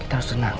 kita harus senang